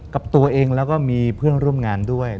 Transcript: กับตัวเองแล้วก็มีเพื่อนร่วมงานด้วย